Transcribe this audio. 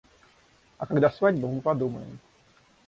А когда свадьба, мы подумаем.